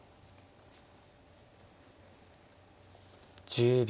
１０秒。